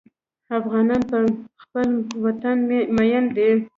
افغانان په خپل وطن مین دي.